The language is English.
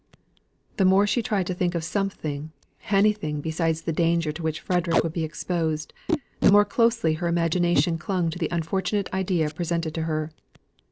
The more she tried to think of something anything besides the danger to which Frederick would be exposed the more closely her imagination clung to the unfortunate idea presented to her.